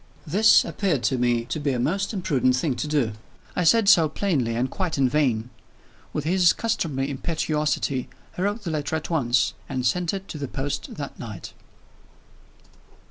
This appeared to me to be a most imprudent thing to do. I said so plainly and quite in vain. With his customary impetuosity, he wrote the letter at once, and sent it to the post that night.